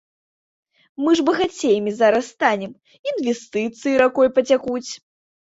Мы ж багацеямі зараз станем, інвестыцыі ракой пацякуць.